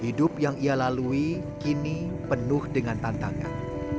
hidup yang ia lalui kini penuh dengan tantangan